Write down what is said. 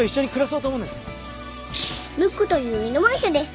［ムックという犬も一緒です］